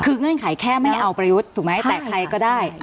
คือเงื่อนไขแค่ไม่เอาประยุทธ์ถูกไหมแต่ใครก็ได้